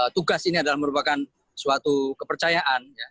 tugas ini adalah merupakan suatu kepercayaan